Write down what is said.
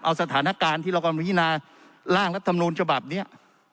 เอาสถานการณ์ที่เรากำลังพินาร่างและธรรมนูญฉบับเนี้ย